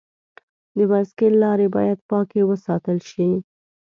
د بایسکل لارې باید پاکې وساتل شي.